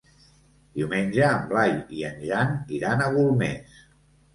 Diumenge en Blai i en Jan iran a Golmés.